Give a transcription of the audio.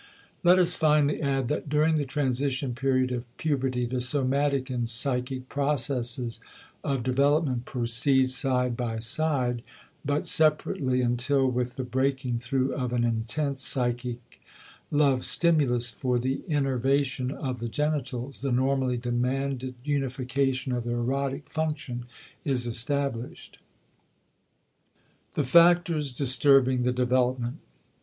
Let us finally add that during the transition period of puberty the somatic and psychic processes of development proceed side by side, but separately, until with the breaking through of an intense psychic love stimulus for the innervation of the genitals, the normally demanded unification of the erotic function is established. *The Factors Disturbing the Development.